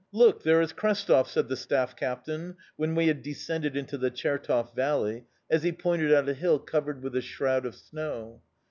"Look, there is Krestov!" said the staff captain, when we had descended into the Chertov Valley, as he pointed out a hill covered with a shroud of snow.